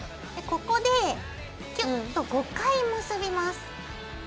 ここでキュッと５回結びます。